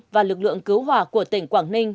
và lực lượng cứu hỏa của tỉnh quảng ninh